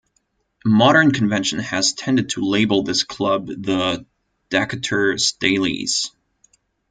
Modern convention has tended to label this club the "Decatur Staleys".